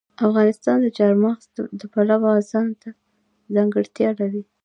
افغانستان د چار مغز د پلوه ځانته ځانګړتیا لري.